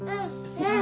うん！